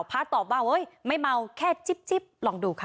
พระตอบว่าเฮ้ยไม่เมาแค่จิ๊บลองดูค่ะ